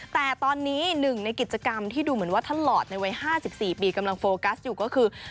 แต่ตอนนี้หนึ่งในกิจกรรมที่ดูเหมือนว่าท่านหลอดในวัย๕๔ปีกำลังโฟกัสอยู่ก็คือ